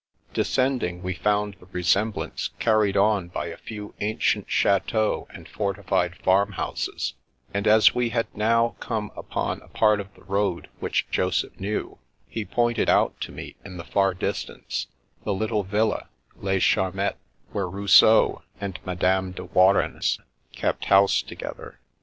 Descending, we found the resemblance carried on by a few ancient cha teaux and fortified farmhouses, and as we had now come upon a part of the road which Josq)h knew, he pointed out to me, in the far distance, the little villa, Les Charmettes, where Rousseau and Madame deWarens kept house together.